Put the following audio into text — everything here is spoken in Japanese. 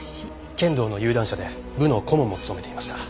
剣道の有段者で部の顧問も務めていました。